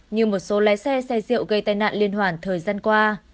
như một số lái xe xe rượu gây tai nạn liên hoàn thời gian qua